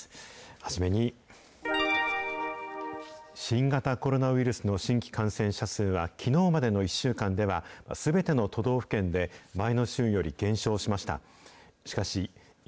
初めに、新型コロナウイルスの新規感染者数は、きのうまでの１週間では、すべての都道府県で前の週より減少しました。